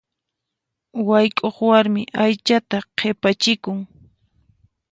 Wayk'uq warmi aychata qhipachikun.